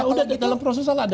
udah dalam proses selalu ada